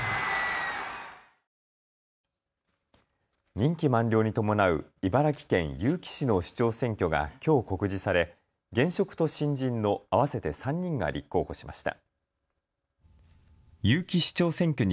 任期満了に伴う茨城県結城市の市長選挙がきょう告示され現職と新人の合わせて３人が立候補しました。